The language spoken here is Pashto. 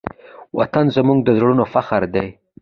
وطن زموږ د زړونو فخر دی.